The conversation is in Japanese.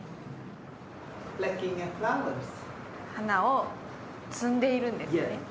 花を摘んでいるんですね？